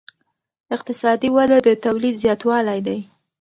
اقتصادي وده د تولید زیاتوالی دی.